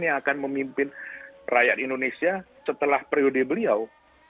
yang akan memimpin rakyat indonesia setelah periode beliau